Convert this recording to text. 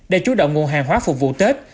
để chú động nguồn hàng hóa phục vụ tết